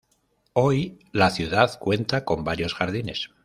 Hoy la ciudad cuenta con varios jardines.